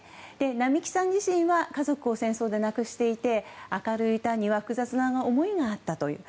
並木さん自身は家族を戦争で亡くしていて明るい歌には複雑な思いがあったという。